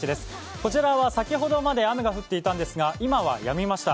こちらは先ほどまで雨が降っていたんですが今はやみました。